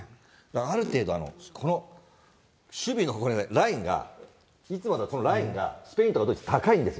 ある程度、この守備のラインが、いつもだったこのラインが、スペインとかドイツ、高いんですよ。